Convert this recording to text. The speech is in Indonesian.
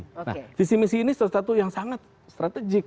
nah visi misi ini salah satu yang sangat strategik